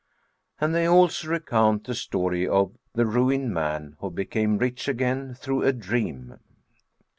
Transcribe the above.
And they also recount the story of THE RUINED MAN WHO BECAME RICH AGAIN THROUGH A DREAM.